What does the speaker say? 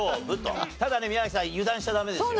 ただね宮崎さん油断しちゃダメですよ。